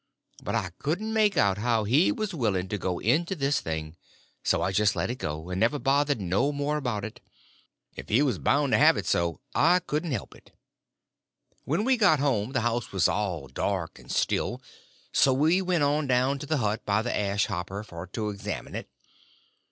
But I couldn't make out how he was willing to go into this thing; so I just let it go, and never bothered no more about it. If he was bound to have it so, I couldn't help it. When we got home the house was all dark and still; so we went on down to the hut by the ash hopper for to examine it.